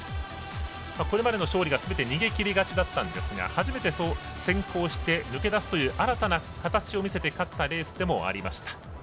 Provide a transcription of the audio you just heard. これまでの勝利がすべて逃げきり勝ちだったんですが初めて先行して抜け出すという新たな形を見せて勝ったレースでもありました。